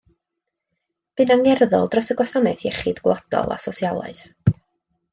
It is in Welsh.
Bu'n angerddol dros y Gwasanaeth Iechyd Gwladol a sosialaeth.